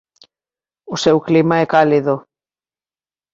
O seu clima é cálido.